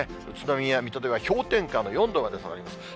宇都宮、水戸では氷点下の４度まで下がります。